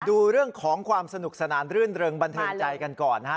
ดูเรื่องของความสนุกสนานรื่นเริงบันเทิงใจกันก่อนนะฮะ